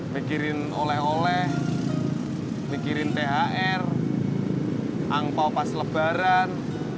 mikirin oleh oleh mikirin thr angpao pas lebaran